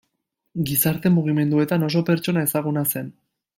Gizarte mugimenduetan oso pertsona ezaguna zen.